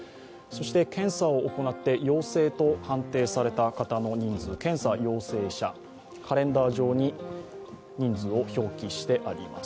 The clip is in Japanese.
検査を行って陽性と判定された方の人数、検査陽性者、カレンダー上に人数を表記してあります。